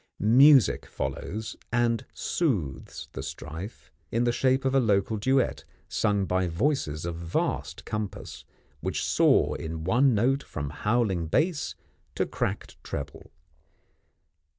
Music follows, and soothes the strife, in the shape of a local duet, sung by voices of vast compass, which soar in one note from howling bass to cracked treble.